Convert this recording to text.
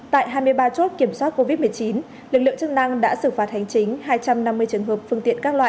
tại hai mươi ba chốt kiểm soát covid một mươi chín lực lượng chức năng đã xử phạt hành chính hai trăm năm mươi trường hợp phương tiện các loại